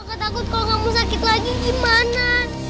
aku takut kalau kamu sakit lagi gimana